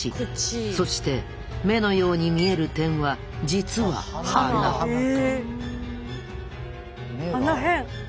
そして目のように見える点は実は鼻鼻変。